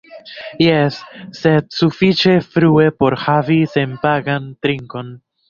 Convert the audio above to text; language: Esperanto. Jes... sed sufiĉe frue por havi senpagan trinkon